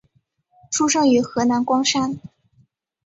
出生于河南光山。